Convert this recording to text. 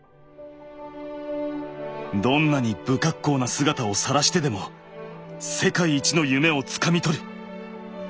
どんなに不格好な姿をさらしてでも世界一の夢をつかみ取る。